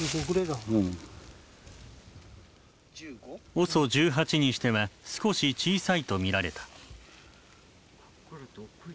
ＯＳＯ１８にしては少し小さいと見られた。